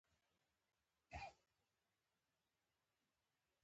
اکسفام نابرابرۍ رتبه کې نیوکې مني.